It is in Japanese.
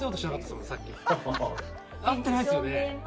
合ってないですよね。